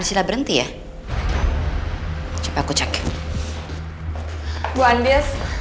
kalau kamu pentingnya meraih endah kalian sendiri